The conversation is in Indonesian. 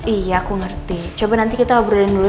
iya aku ngerti coba nanti kita obrolin dulu